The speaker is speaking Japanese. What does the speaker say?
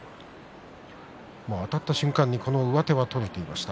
あたった瞬間に上手は取れていました。